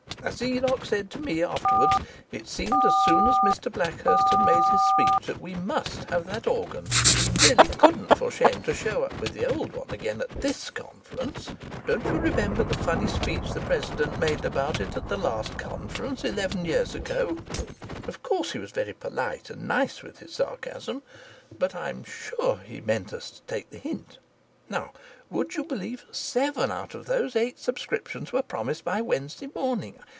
As Enoch said to me afterwards, it seemed, as soon as Mr Blackhurst had made his speech, that we must have that organ. We really couldn't forshame to show up with the old one again at this Conference don't you remember the funny speech the President made about it at the last Conference, eleven years ago? Of course he was very polite and nice with his sarcasm, but I'm sure he meant us to take the hint. Now, would you believe, seven out of those eight subscriptions were promised by Wednesday morning!